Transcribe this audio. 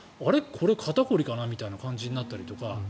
これ、肩凝りかなみたいな感じになったりとか。